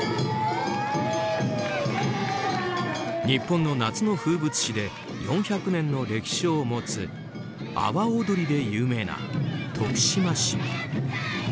日本の夏の風物詩で４００年の歴史を持つ阿波おどりで有名な徳島市。